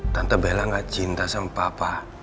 tante bela gak cinta sama papa